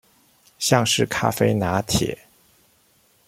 像是咖啡拿鐵